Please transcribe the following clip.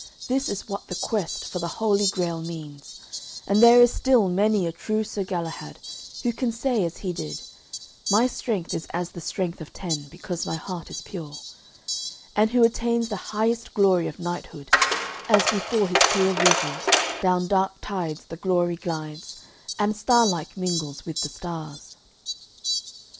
This is what the Quest of the Holy Grail means, and there is still many a true Sir Galahad, who can say, as he did, "My strength is as the strength of ten, Because my heart is pure," and who attains the highest glory of knighthood, as before his clear vision "down dark tides the glory glides, And starlike mingles with the stars."